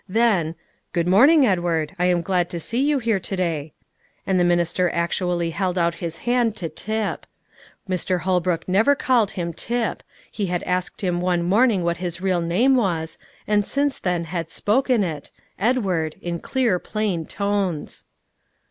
Then, "Good morning Edward; I am glad to see you here to day;" and the minister actually held out his hand to Tip. Mr. Holbrook never called him Tip; he had asked him one morning what his real name was, and since then had spoken it, "Edward," in clear, plain tones.